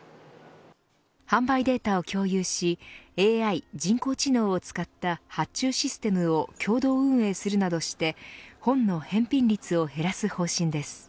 販売データを共有しＡＩ、人工知能を使った発注システムを共同運営するなどして本の返品率を減らす方針です。